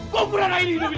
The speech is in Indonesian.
kau pernah ini hidup ini